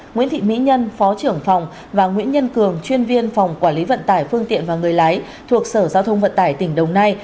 nguyễn thị mỹ nhân phó trưởng phòng và nguyễn nhân cường chuyên viên phòng quản lý vận tải phương tiện và người lái thuộc sở giao thông vận tải tỉnh đồng nai